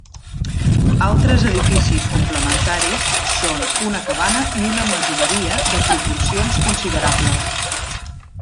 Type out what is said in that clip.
Altres edificis complementaris són una cabana i una masoveria de proporcions considerables.